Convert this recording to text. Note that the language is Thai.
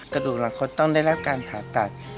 กระดูกหลังคดต้องได้รับการผ่าตัด